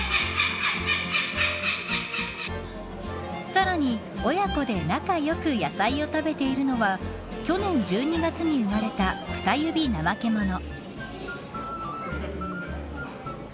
さらに、親子で仲良く野菜を食べているのは去年１２月に生まれたフタユビナマケモノ。